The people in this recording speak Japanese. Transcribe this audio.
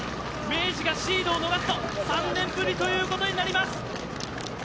明治がシードを逃すと３年ぶりということになります。